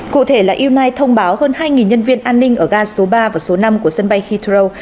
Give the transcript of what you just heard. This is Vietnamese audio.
cụ thể là u chín thông báo hơn hai nhân viên an ninh ở ga số ba và số năm của sân bay heathrow